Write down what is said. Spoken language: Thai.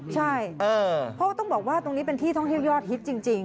ใช่เพราะต้องบอกว่าตรงนี้เป็นที่ท่องเที่ยวยอดฮิตจริง